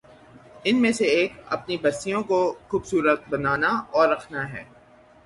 ان میں سے ایک اپنی بستیوں کو خوب صورت بنانا اور رکھنا ہے۔